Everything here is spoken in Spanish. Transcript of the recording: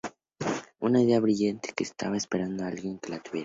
Una idea brillante, que estaba esperando a alguien que la tuviera".